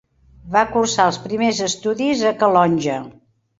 Va cursar els primers estudis a Calonge.